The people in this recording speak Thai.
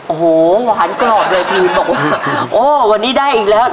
โอ้โหหวานกรอบเลยพี่บอกว่าโอ้วันนี้ได้อีกแล้ว